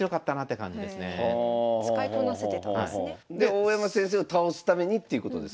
大山先生を倒すためにっていうことですね。